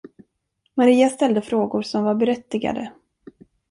Maria ställde frågor som var berättigade.